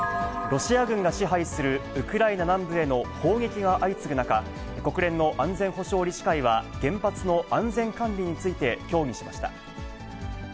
ロシア軍が支配するウクライナ南部への砲撃が相次ぐ中、国連の安全保障理事会は原発の安全管理について協議しました。